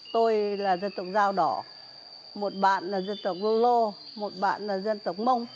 tôi là dân tộc giao đỏ một bạn là dân tộc lô một bạn là dân tộc mông